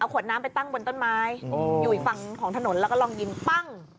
ขวดน้ำไปตั้งบนต้นไม้อยู่อีกฝั่งของถนนแล้วก็ลองยิงปั้ง